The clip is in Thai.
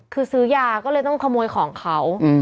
คือสือยากก็ต้องขโมยของเค้า